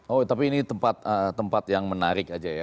oh tapi ini tempat yang menarik aja ya